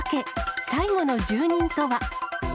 最後の住人とは？